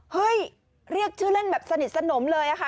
เรียกชื่อเล่นแบบสนิทสนมเลยค่ะ